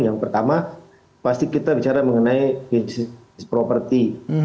yang pertama pasti kita bicara mengenai bisnis properti